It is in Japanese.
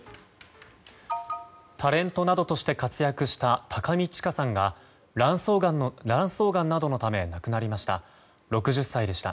タレントなどとして活躍した高見知佳さんが卵巣がんなどのため亡くなりました。